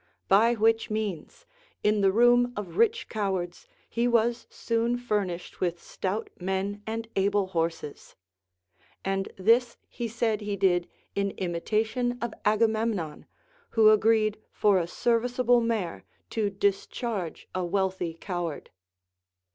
By which means, in the room of rich cowards, he Λvas soon furnished with stout men and able horses ; and this he said he did in imitation of Agamemnon, who agreed for a serviceable mare to discharge a Λvealthy cow ard.